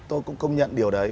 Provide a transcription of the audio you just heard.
tôi cũng công nhận điều đấy